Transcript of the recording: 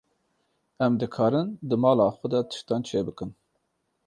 Em dikarin di mala xwe de tiştan çêbikin.